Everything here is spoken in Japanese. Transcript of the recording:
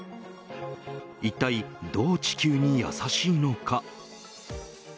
一体どう地球にやさしいのか。